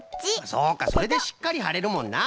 そうかそれでしっかりはれるもんな。